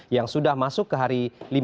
yang sudah masuk ke hari lima belas